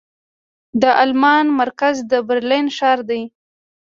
د المان مرکز د برلين ښار دې.